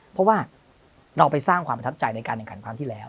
เพราะว่าเราไปสร้างความประทับใจในการแข่งขันครั้งที่แล้ว